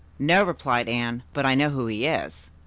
"No," replied Anne, "but I know who he is."